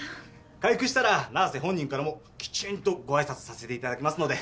回復したら七瀬本人からもきちんとご挨拶させていただきますので。